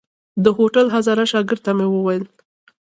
د هوټل هزاره شاګرد ته مې وويل.